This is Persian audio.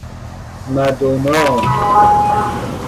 مدونا